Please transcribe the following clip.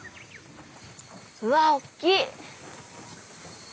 うわっおっきい！